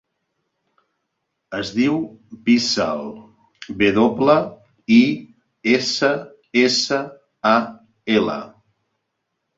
Es diu Wissal: ve doble, i, essa, essa, a, ela.